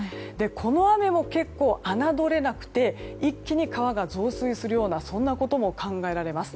この雨も結構、侮れなくて一気に川が増水するようなことも考えられます。